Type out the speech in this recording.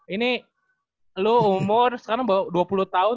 ini lo umur sekarang dua puluh tahun